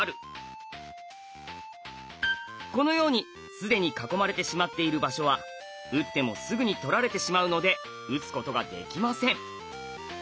このように既に囲まれてしまっている場所は打ってもすぐに取られてしまうので打つことができません。